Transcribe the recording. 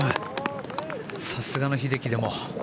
さすがの英樹でも。